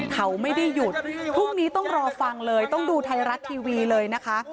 เขาไม่ได้หยุดพรุ่งนี้ต้องรอฟังเลยต้องดูไทยรัฐทีวีเลยนะคะ